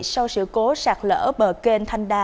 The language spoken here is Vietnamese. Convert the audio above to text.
sau sự cố sạt lỡ bờ kênh thanh đa